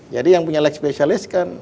jadi yang punya leg spesialis kan